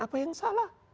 apa yang salah